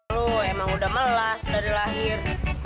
lu emang udah melas dari lahir